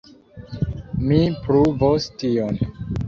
Mi pruvos tion.